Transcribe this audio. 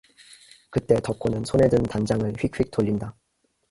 그때 덕호는 손에 든 단장을 휙휙 돌린다.